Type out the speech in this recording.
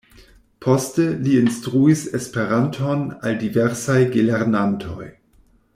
Poste, li instruis Esperanton al diversaj gelernantoj.